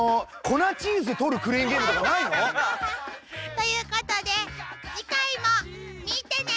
粉チーズ取るクレーンゲームとかないの？ということで次回も見てね！